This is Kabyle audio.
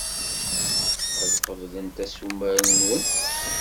Ad qeblent assumer-nwen.